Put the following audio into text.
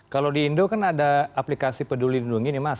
kalau di indo kan ada aplikasi peduli lindungi nih mas